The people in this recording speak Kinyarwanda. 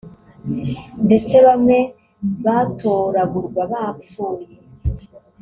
ndetse bamwe batoragurwa bapfuye